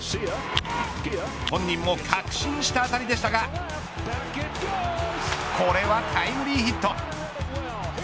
本人も確信した当たりでしたがこれはタイムリーヒット。